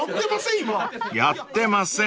やってません？